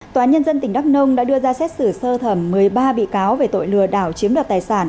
tòa nhân dân tỉnh đắk nông đã đưa ra xét xử sơ thẩm một mươi ba bị cáo về tội lừa đảo chiếm đoạt tài sản